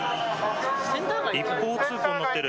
一方通行になってる。